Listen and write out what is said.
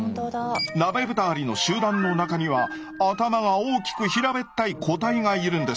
ナベブタアリの集団の中には頭が大きく平べったい個体がいるんです。